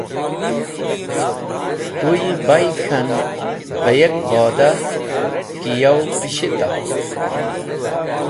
Tu yi bayd e k̃han bah yek bodah ki yow pishit a.